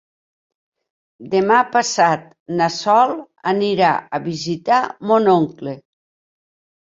Demà passat na Sol anirà a visitar mon oncle.